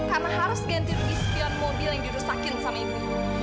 karena harus ganti biskuit mobil yang dirusakin sama ibu